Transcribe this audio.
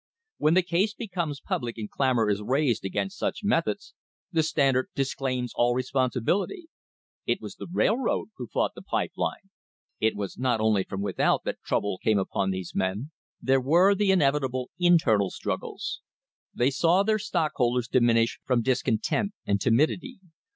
When the case becomes public and clamour is raised against such methods, the Standard disclaims all responsibility. It was the railroad who fought the pipe line! It was not only from without that trouble came upon these men. There were the inevitable internal struggles. They saw their stockholders diminish from discontent and timidity.